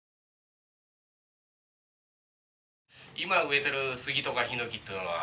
今植えてる杉とかヒノキっていうのは。